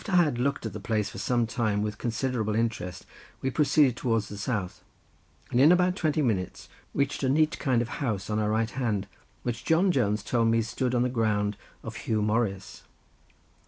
After I had looked at the place for some time with considerable interest we proceeded towards the south, and in about twenty minutes reached a neat kind of house, on our right hand, which John Jones told me stood on the ground of Huw Morris.